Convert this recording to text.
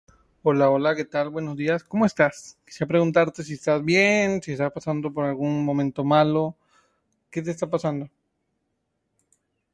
"Voir dire" is often taught to law students in trial advocacy courses.